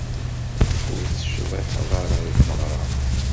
Ur tecḍiḥeḍ ara di tmeɣra.